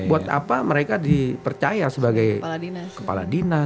buat apa mereka dipercaya sebagai kepala dinas